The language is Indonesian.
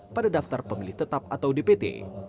pada daftar pemilih tetap atau dpt